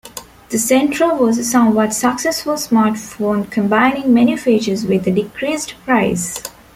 The Centro was a somewhat successful smartphone, combining many features with a decreased price.